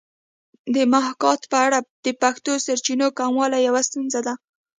د محاکات په اړه د پښتو سرچینو کموالی یوه ستونزه ده